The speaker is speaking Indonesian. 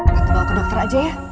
aku bawa ke dokter aja ya